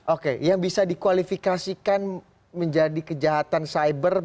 oke yang bisa dikualifikasikan menjadi kejahatan cyber berhubungan dengan kesehatan